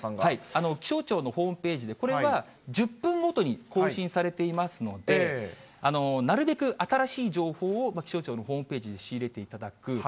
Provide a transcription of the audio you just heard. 気象庁のホームページで、これは１０分ごとに更新されていますので、なるべく新しい情報を、気象庁のホームページで仕入れていただく。